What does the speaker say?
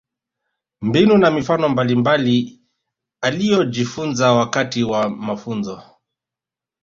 Mbinu na mifano mbalimbali aliyojifunza wakati wa mafunzo